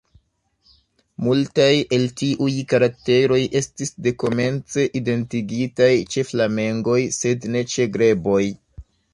Multaj el tiuj karakteroj estis dekomence identigitaj ĉe flamengoj, sed ne ĉe greboj.